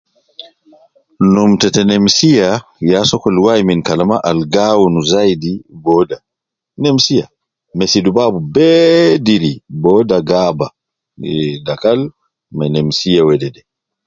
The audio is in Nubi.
Num tete nemsiya ya sokol wai min kalama al gi awunu zaidi booda. Nemsiya, me sidu babu beediri booda gaaba eeh dakal me nemsiya wedede.